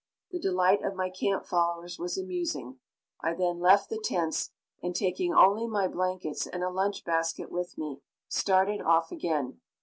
The delight of my camp followers was amusing. I then left the tents, and, taking only my blankets and a lunch basket with me, started off again.